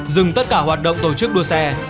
dừng tất cả hoạt động tổ chức đua xe